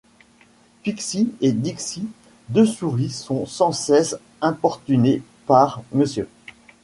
Pixie et Dixie deux souris sont sans cesse importunées par Mr.